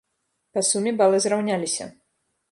Па суме балы зраўняліся.